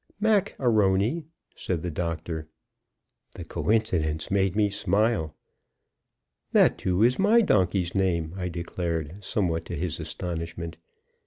"Mac A'Rony," said the doctor. The coincidence made me smile. "That, too, is my donkey's name," I declared, somewhat to his astonishment.